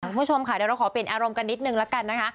คุณผู้ชมค่ะเดี๋ยวเราขอเปลี่ยนอารมณ์กันนิดนึงละกันนะคะ